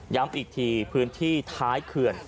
ย้ำอีกทีพื้นที่ท้ายเขื่อน